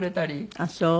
ああそう！